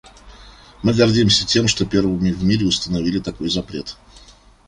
Мы гордимся тем, что первыми в мире установили такой запрет.